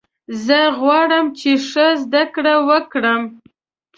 زه غواړم چې ښه زده کړه وکړم.